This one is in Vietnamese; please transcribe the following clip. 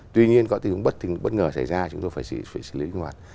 tuy nhiên có tình huống bất ngờ xảy ra chúng ta phải xử lý linh hoạt